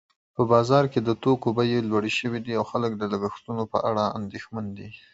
زموږ په کلي کې خلک ډېر مېلمه پال دي او هر څوک چې ورشي، هغوی ته په درناوي او خوښۍ ښه ښه راغلاست وايي.